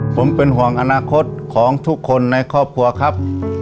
ผมเป็นห่วงอนาคตของทุกคนในครอบครัวครับ